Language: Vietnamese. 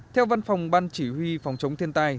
theo văn phòng ban chỉ huy phòng chống thiên tai